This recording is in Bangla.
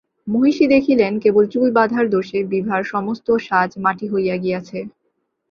মহিষী দেখিলেন, কেবল চুল বাঁধার দোষে বিভার সমস্ত সাজ মাটি হইয়া গিয়াছে।